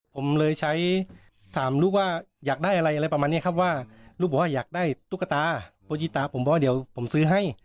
ผมเลยใช้ถามลูกว่าอยากได้อะไรอะไรประมาณนี้ครับว่าลูกบอกว่าอยากได้ตุ๊กตาโปรยีตาผมเพราะว่าเดี๋ยวผมซื้อให้